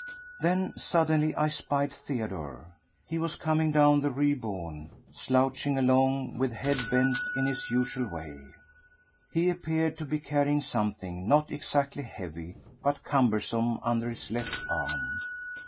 Then suddenly I spied Theodore. He was coming down the Rue Beaune, slouching along with head bent in his usual way. He appeared to be carrying something, not exactly heavy, but cumbersome, under his left arm.